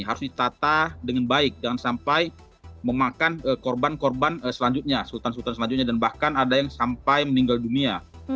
harus ditata dengan baik jangan sampai memakan korban korban selanjutnya sultan sultan selanjutnya dan bahkan ada yang sampai meninggal dunia